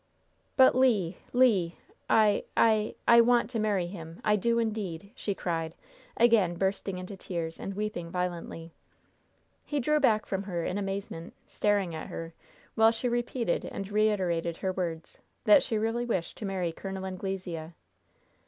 "But, Le! Le! I I I want to marry him! I do indeed!" she cried, again bursting into tears and weeping violently. He drew back from her in amazement, staring at her, while she repeated and reiterated her words, that she really wished to marry Col. Anglesea.